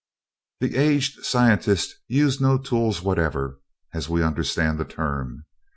The aged scientist used no tools whatever, as we understand the term.